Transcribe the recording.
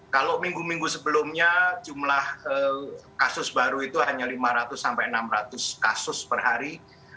kalau minggu minggu sebelumnya jumlah kasus baru itu hanya lima ratus sampai enam ratus kasus per hari